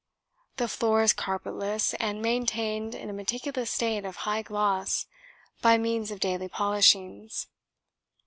The floor is carpetless, and maintained in a meticulous state of high gloss by means of daily polishings.